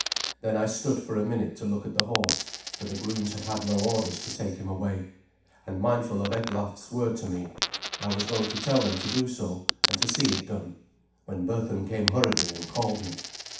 Then I stood for a minute to look at the horse, for the grooms had had no orders to take him away; and mindful of Eglaf's word to me, I was going to tell them to do so, and to see it done, when Berthun came hurriedly and called me.